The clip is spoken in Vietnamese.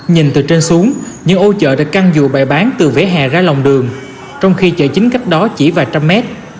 nhìn từ trên xuống những ô chợ đã căng dụ bày bán từ vỉa hè ra lòng đường trong khi chợ chính cách đó chỉ vài trăm mét